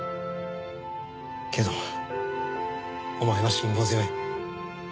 けどお前は辛抱強い。